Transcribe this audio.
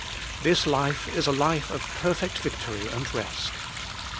This life is a life of perfect victory and rest.